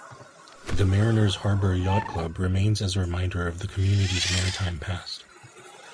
The Mariners Harbor Yacht Club remains as a reminder of the community's maritime past.